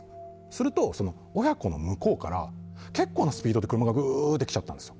すると、親子の向こうから結構なスピードで車が来ちゃったんです。